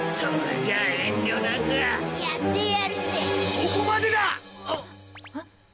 そこまでだ！